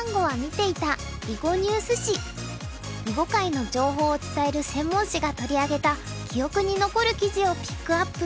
囲碁界の情報を伝える専門紙が取り上げた記憶に残る記事をピックアップ。